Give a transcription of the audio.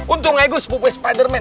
untung aja gua sepupunya spiderman